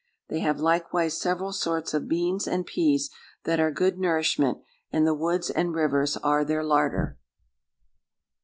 They have likewise several sorts of beans and peas that are good nourishment; and the woods and rivers are their larder."